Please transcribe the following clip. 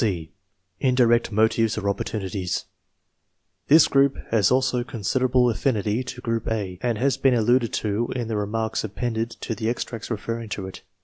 § C. INDIRECT MOTIVES OR OPPORTUNITIES. This group has also considerable affinity to group (A) and has been alluded to in the re marks appended to the extracts referring to it.